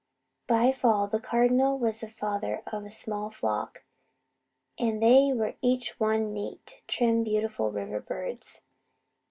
By fall the Cardinal was the father of a small flock, and they were each one neat, trim, beautiful river birds.